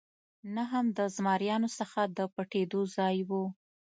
نه هم له زمریانو څخه د پټېدو ځای و.